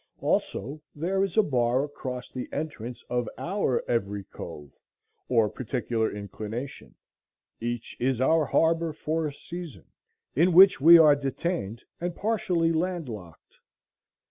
Also there is a bar across the entrance of our every cove, or particular inclination; each is our harbor for a season, in which we are detained and partially land locked.